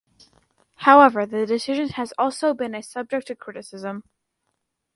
However the decision has also been subject to criticism.